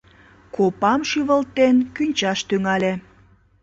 Копам шӱвылтен, кӱнчаш тӱҥале.